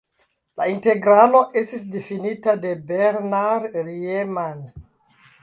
La integralo estis difinita de Bernhard Riemann.